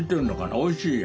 おいしいよ。